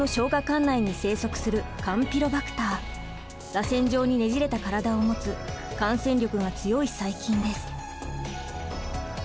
管内に生息するらせん状にねじれた体を持つ感染力が強い細菌です。